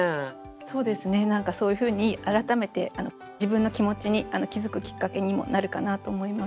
そうですね何かそういうふうに改めて自分の気持ちに気付くきっかけにもなるかなと思います。